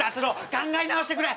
考え直してくれ。